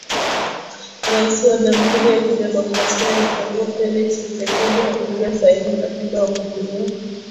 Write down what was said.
Raisi wa Jamhuri ya Kidemokrasia ya Kongo Felix Tchisekedi alitia saini mkataba wa kujiunga